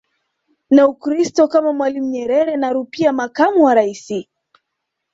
na Ukristo kama Mwalimu Nyerere na Rupia makamo wa raisi